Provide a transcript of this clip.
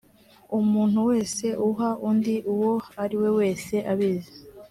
umuntu wese uha undi uwo ari we wese abizi